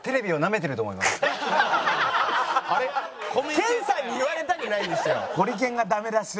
健さんに言われたくないですよ。